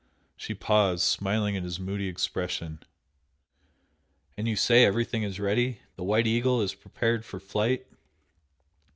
She paused, smiling at his moody expression. "And you say everything is ready? the 'White Eagle' is prepared for flight?"